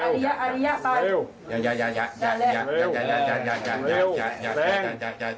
เหนื่อยกระตเตอร์อีกเลย